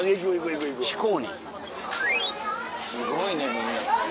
すごいねみんな。